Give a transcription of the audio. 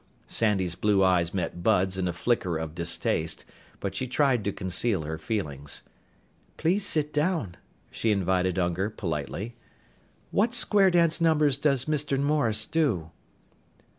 Sandy's blue eyes met Bud's in a flicker of distaste, but she tried to conceal her feelings. "Please sit down," she invited Unger politely. "What square dance numbers does Mr. Morris do?"